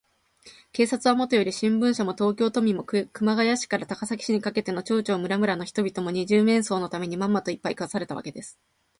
警察はもとより、新聞社も、東京都民も、熊谷市から高崎市にかけての町々村々の人々も、二十面相のために、まんまと、いっぱい食わされたわけです。